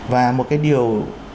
và một cái điều